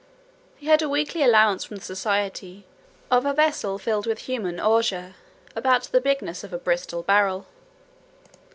He had a weekly allowance, from the society, of a vessel filled with human ordure, about the bigness of a Bristol barrel.